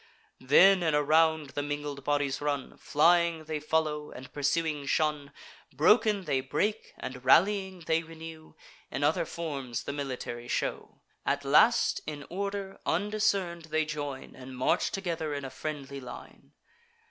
Then in a round the mingled bodies run: Flying they follow, and pursuing shun; Broken, they break; and, rallying, they renew In other forms the military shew. At last, in order, undiscern'd they join, And march together in a friendly line.